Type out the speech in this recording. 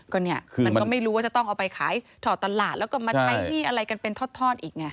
ก็เนี่ยมันก็ไม่รู้ว่าจะต้องเอาไปขายถอดตลาดแล้วก็มาใช้หนี้อะไรกันเป็นทอดอีกไง